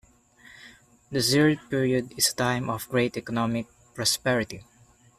The Zirid period is a time of great economic prosperity.